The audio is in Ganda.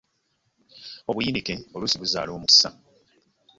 Obuyinike oluusi buzaala omukisa.